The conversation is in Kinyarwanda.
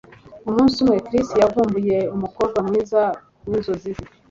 umunsi umwe, chris yavumbuye umukobwa mwiza winzozi ze